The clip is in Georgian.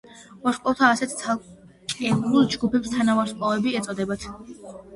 ვარსკვლავთა ასეთ ცალკეულ ჯგუფებს თანავარსკვლავედები ეწოდებათ.